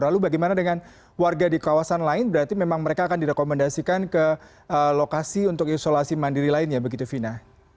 lalu bagaimana dengan warga di kawasan lain berarti memang mereka akan direkomendasikan ke lokasi untuk isolasi mandiri lainnya begitu vina